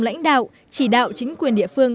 lãnh đạo chỉ đạo chính quyền địa phương